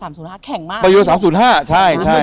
เปอโย๓๐๕แข็งมากเปอโย๓๐๕ใช่ใช่